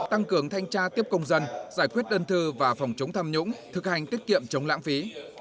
tăng cường thanh tra tiếp công dân giải quyết đơn thư và phòng chống tham nhũng thực hành tiết kiệm chống lãng phí